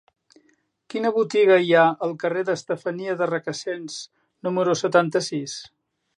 Quina botiga hi ha al carrer d'Estefania de Requesens número setanta-sis?